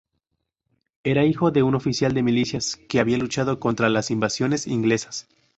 Era hijo de un oficial de milicias que había luchado contra las invasiones inglesas.